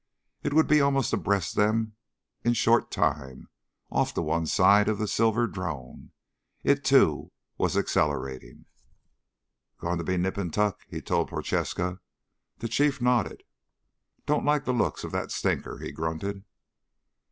It would be almost abreast them in short time, off to one side of the silver drone. It, too, was accelerating. "Going to be nip and tuck," he told Prochaska. The Chief nodded. "Don't like the looks of that stinker," he grunted.